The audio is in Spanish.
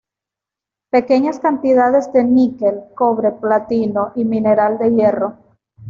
Pequeñas cantidades de níquel, cobre, platino y mineral de hierro.